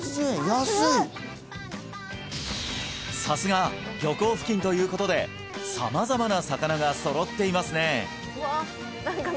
さすが漁港付近ということで様々な魚が揃っていますね